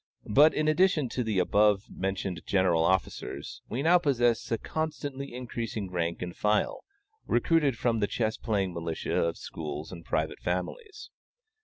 But, in addition to the above mentioned general officers, we now possess a constantly increasing rank and file, recruited from the chess playing militia of schools and private families.